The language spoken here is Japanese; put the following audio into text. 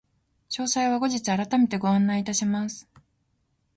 詳細は後日改めてご案内いたします。